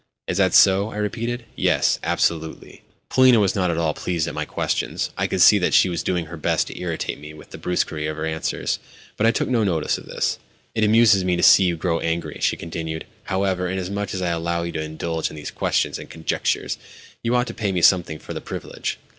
"Is that so?" I repeated. "Yes; absolutely." Polina was not at all pleased at my questions; I could see that she was doing her best to irritate me with the brusquerie of her answers. But I took no notice of this. "It amuses me to see you grow angry," she continued. "However, inasmuch as I allow you to indulge in these questions and conjectures, you ought to pay me something for the privilege."